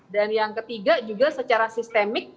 dan yang ketiga juga secara sistemik